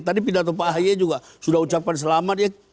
tadi pidato pak haye juga sudah ucapkan selamat